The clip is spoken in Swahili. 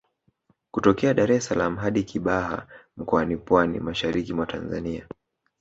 Kutokea Dar es salaam hadi Kibaha Mkoani Pwani mashariki mwa Tanzania